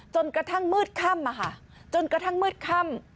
จนกระทั่งมืดค่ำจนกระทั่งมืดค่ำ